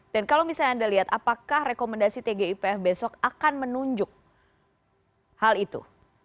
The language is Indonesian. dan kalau misalnya anda lihat apakah rekomendasi tgipf besok akan menunjuk hal itu